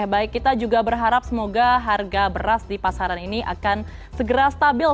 baik kita juga berharap semoga harga beras di pasaran ini akan segera stabil